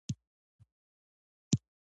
هغه زمزمه نه ده پاتې، ،دی که وي په تمه